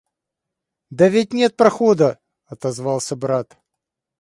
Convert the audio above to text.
— Да ведь нет прохода, — отозвался брат.